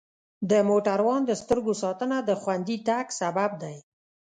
د موټروان د سترګو ساتنه د خوندي تګ سبب دی.